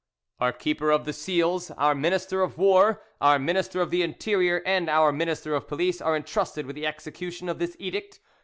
"Our Keeper of the Seals, Our Minister of War, Our Minister of the Interior, and Our Minister of Police, are entrusted with the execution of this edict.